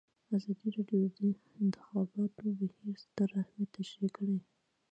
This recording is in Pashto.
ازادي راډیو د د انتخاباتو بهیر ستر اهميت تشریح کړی.